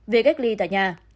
về gác ly tại nhà